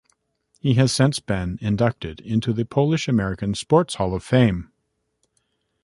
He has since been inducted into the Polish-American Sports Hall of Fame.